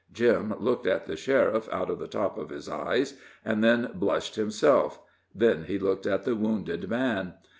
Jim looked at the sheriff out of the top of his eyes, and then blushed himself then he looked at the wounded man.